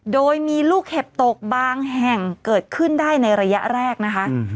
โดยมีลูกเห็บตกบางแห่งเกิดขึ้นได้ในระยะแรกนะคะ